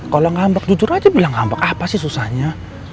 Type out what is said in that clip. kalau ngambek jujur aja bilang ngambek apa sih susahnya